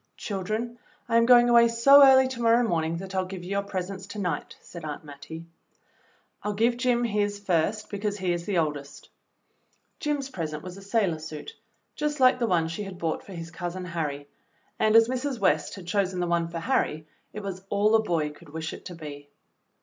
"Children, I am going away so early to morrow morning that I'll give you your presents to night," said Aunt Mattie. "I'll give Jim his first because he is the oldest." Jim's present was a sailor suit just like the one she had bought for his Cousin Harry, and as Mrs. West had chosen the one for Harry, it was all a boy could wish it to be.